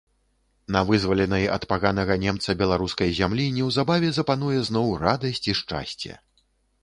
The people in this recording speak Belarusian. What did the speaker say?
На вызваленай ад паганага немца беларускай зямлі неўзабаве запануе зноў радасць і шчасце.